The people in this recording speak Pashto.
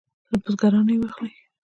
له بزګرانو یې واخلي.